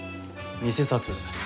偽札。